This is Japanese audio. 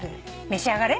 召し上がれ。